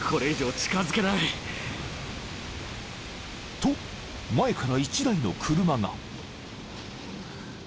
［と前から１台の車が］